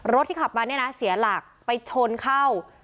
ที่ขับมาเนี่ยนะเสียหลักไปชนเข้า